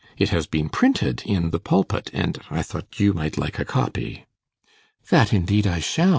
It has been printed in "The Pulpit," and I thought you might like a copy.' 'That indeed I shall.